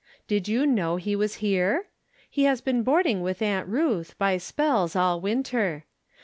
Did you know he was here ? He has been boarding with Aunt Ruth, by spells, all winter.